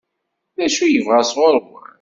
D acu i yebɣa sɣur-wen?